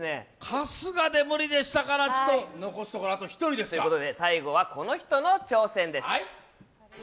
春日で無理でしたから、残すところは１人ですね。ということで最後はこの人の挑戦です。